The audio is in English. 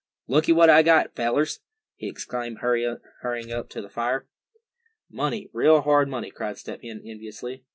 "Looky at what I got, fellers!" he exclaimed hurrying up to the fire. "Money, real hard money!" cried Step Hen, enviously.